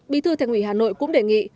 bí thư thành ủy hà nội cũng đề nghị